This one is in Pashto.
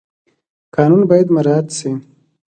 قانون باید مراعات شي